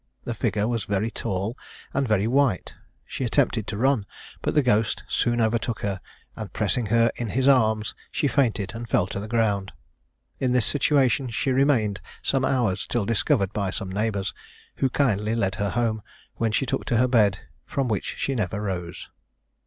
The figure was very tall, and very white. She attempted to run, but the ghost soon overtook her, and, pressing her in his arms, she fainted, and fell to the ground. In this situation she remained some hours, till discovered by some neighbours, who kindly led her home, when she took to her bed, from which she never rose.